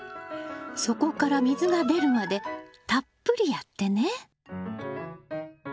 底から水が出るまでたっぷりやってね。